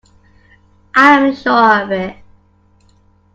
I am sure of it.